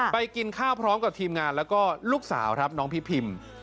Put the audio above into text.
กินข้าวพร้อมกับทีมงานแล้วก็ลูกสาวครับน้องพี่พิม